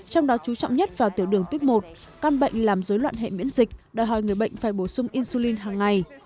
trong đó chú trọng nhất vào tiểu đường tuyếp một căn bệnh làm dối loạn hệ miễn dịch đòi hỏi người bệnh phải bổ sung insulin hằng ngày